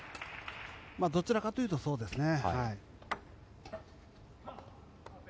どちらかというとそうですね。